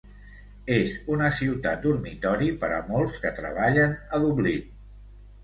És una ciutat dormitori per a molts que treballen a Dublín.